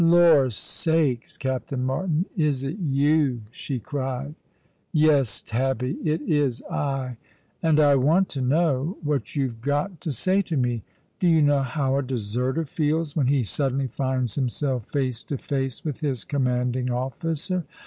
" Lor' sakes. Captain Martin, is it you ?" she cried. " Yes, Tabby, it is I — and I want to know what you've got to say to me. Do you know how a deserter feels when he suddenly finds himself face to face with his commanding officer?